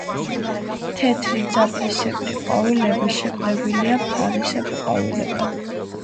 თეთრი ძაბრისებრი ყვავილები შეკრებილია ფარისებრ ყვავილებად.